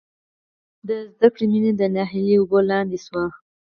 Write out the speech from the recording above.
د زدکړې مینه د ناهیلۍ اوبو لاندې شوه